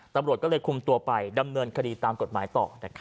ตำรวจก็เลยคุมตัวไปดำเนินคดีตามกฎหมายต่อ